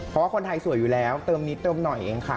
เพราะว่าคนไทยสวยอยู่แล้วเติมนิดเติมหน่อยเองค่ะ